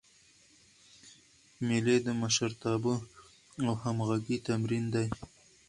مېلې د مشرتابه او همږغۍ تمرین دئ.